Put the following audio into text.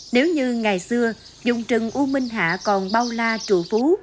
nếu như ngày xưa dùng trừng u minh hạ còn bao la trụ phú